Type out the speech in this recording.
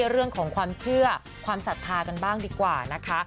เรื่องของความเชื่อความศรัทธากันบ้างดีกว่านะคะ